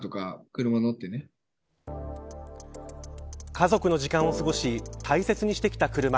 家族の時間を過ごし大切にしてきた車。